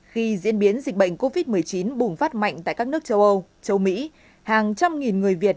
khi diễn biến dịch bệnh covid một mươi chín bùng phát mạnh tại các nước châu âu châu mỹ hàng trăm nghìn người việt